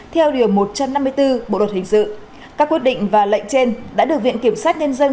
theo điều một trăm năm mươi bốn bộ luật hình sự các quyết định và lệnh trên đã được viện kiểm sát nhân dân